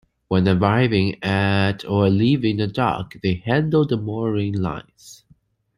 When arriving at or leaving a dock, they handle the mooring lines.